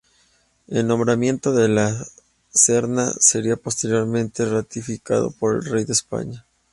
El nombramiento de de La Serna sería posteriormente ratificado por el rey de España.